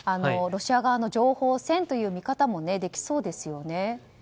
ロシア側の情報戦という見方もできそうですよね。